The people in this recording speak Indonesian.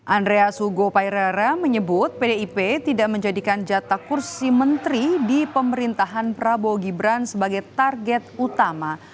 andreas hugo payrara menyebut pdip tidak menjadikan jatah kursi menteri di pemerintahan prabowo gibran sebagai target utama